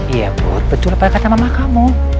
iya put betul apa kata mama kamu